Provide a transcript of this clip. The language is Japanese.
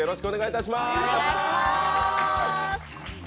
よろしくお願いします！